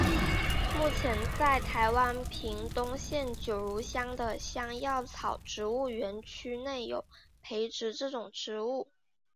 目前在台湾屏东县九如乡的香药草植物园区内有培植这种植物。